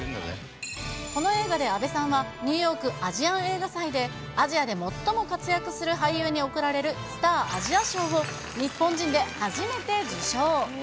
この映画で阿部さんはニューヨーク・アジアン映画祭で、アジアで最も活躍する俳優に贈られる、スター・アジア賞を日本人で初めて受賞。